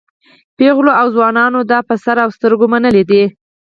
پېغلو او ځوانانو دا په سر او سترګو منلی دی.